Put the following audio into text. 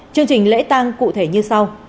chương trình lễ tăng cụ thể như sau